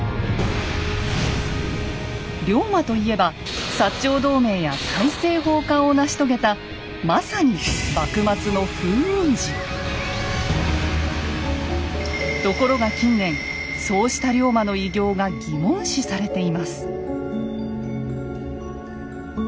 龍馬と言えば長同盟や大政奉還を成し遂げたまさにところが近年そうした龍馬の偉業が疑問視されています。